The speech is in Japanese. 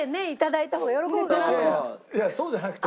いやそうじゃなくて。